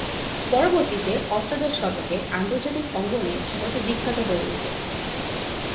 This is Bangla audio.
পরবর্তীতে অষ্টাদশ শতকে আন্তর্জাতিক অঙ্গনে শহরটি বিখ্যাত হয়ে উঠে।